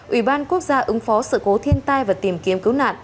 ủy ban quốc gia ứng phó sự cố thiên tai và tìm kiếm cứu nạn